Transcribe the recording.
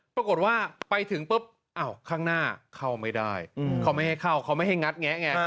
ปรากฏว่าไปถึงปุ๊บอ้าวข้างหน้าเข้าไม่ได้เขาไม่ให้เข้าเขาไม่ให้งัดแงะไง